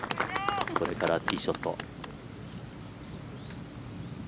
これからティーショット。